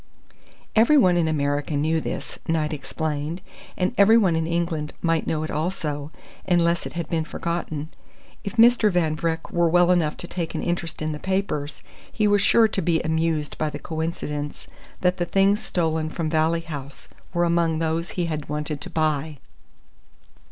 Everyone in America knew this, Knight explained, and everyone in England might know it also, unless it had been forgotten. If Mr. Van Vreck were well enough to take an interest in the papers, he was sure to be amused by the coincidence that the things stolen from Valley House were among those he had wanted to buy.